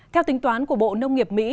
theo tính toán của bộ nông nghiệp mỹ